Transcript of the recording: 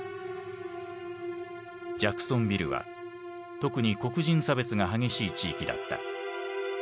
ジャクソンビルは特に黒人差別が激しい地域だった。